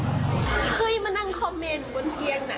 เว้ยมานั่งคอมเมนต์บนเตียง